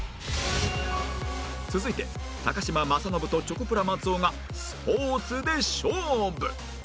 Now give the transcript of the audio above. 続いて嶋政伸とチョコプラ松尾がスポーツで勝負！